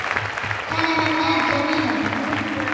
كان منّاد جميلا.